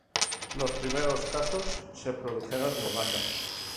Los primeros casos se produjeron en uganda.